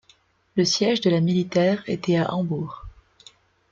Le siège de la militaire était à Hambourg.